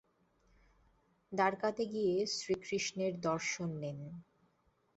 দ্বারকাতে গিয়ে শ্রীকৃষ্ণের দর্শন নিন।